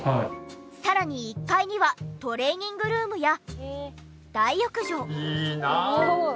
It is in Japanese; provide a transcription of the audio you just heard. さらに１階にはトレーニングルームや大浴場。